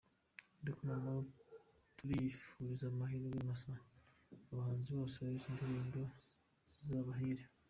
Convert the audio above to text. Ariko nanone tukifuriza amahirwe masa aba bahanzi bose ngo izi ndirimbo zizabahire.